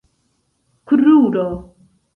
kruro